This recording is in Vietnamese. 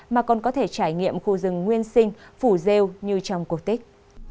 mà còn có thể trải nghiệm khu rừng nguyên sinh phủ rêu như trong cuộc tích